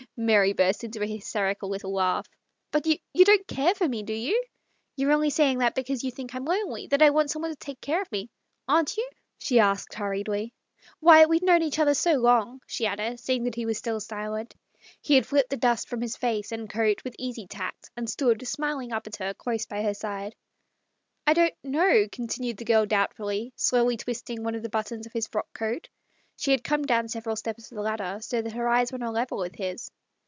Mary burst into a hysterical little laugh. / 78 THE STORY OF A MODERN WOMAN. " But you — you don't care for me, do you ? You're only saying that because you think I'm lonely — that I want someone to take care of me — aren't you ?" she asked hur riedly. " Why, we've known each other so long," she added, seeing that he was still silent. He had flipped the dust from his face and coat with easy tact, and stood, smiling up at her, close by her side. " I don't know," continued the girl doubt fully, slowly twisting one of the buttons of his frock coat. She had come down several steps of the ladder, so that her eyes were on a level with his.